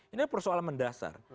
ini persoalan mendasar